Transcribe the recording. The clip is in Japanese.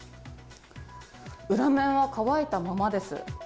裏面は乾いたままです。